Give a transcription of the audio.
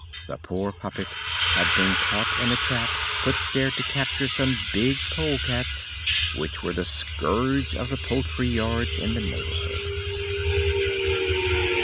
The poor puppet had been taken in a trap put there to capture some big polecats which were the scourge of the poultry yards in the neighborhood.